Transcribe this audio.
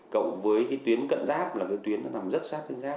cộng với tuyến cận giáp là tuyến nằm rất sát trên giáp